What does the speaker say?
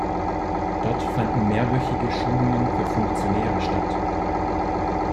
Dort fanden mehrwöchige Schulungen für Funktionäre statt.